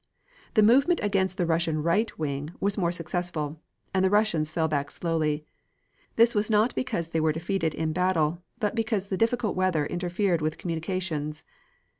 The movement against the Russian right wing was more successful, and the Russians fell back slowly. This was not because they were defeated in battle, but because the difficult weather interfered with communications.